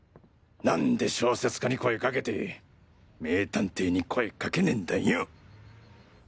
なんで小説家に声かけて名探偵に声かけねぇんだよ！